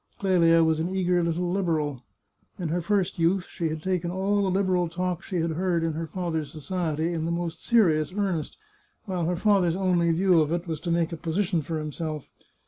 Clelia was an eager little Liberal. In her first youth she had taken all the Liberal talk she had heard in her father's society in the most serious earnest, while her father's only view of it was to make a position for himself.